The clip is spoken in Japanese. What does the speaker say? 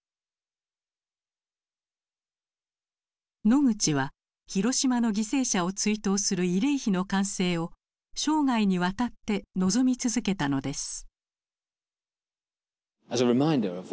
ノグチは広島の犠牲者を追悼する慰霊碑の完成を生涯にわたって望み続けたのです。